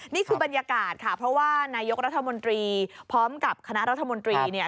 นี่คือบรรยากาศค่ะเพราะว่านายกรัฐมนตรีพร้อมกับคณะรัฐมนตรีเนี่ย